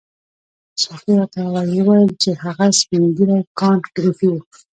ساقي راته وویل چې هغه سپین ږیری کانت ګریفي وو.